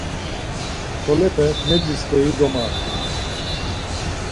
Tolepe nedzi steri domardu.